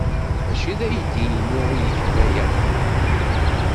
Maci d aydi-inu ay igan aya.